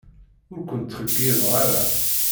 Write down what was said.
Ur ken-ttxeyyibeɣ ara.